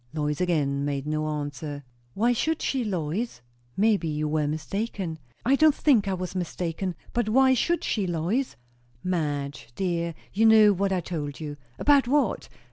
Lois again made no answer. "Why should she, Lois?" "Maybe you were mistaken." "I don't think I was mistaken. But why should she, Lois?" "Madge, dear, you know what I told you." "About what?"